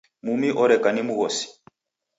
Mumi oreka ni mghosi.